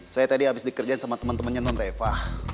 saya tadi habis dikerjain sama temen temennya menon reva